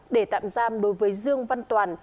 để tạm giam đối với dương văn toàn